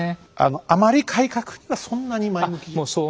あまり改革にはそんなに前向きじゃ。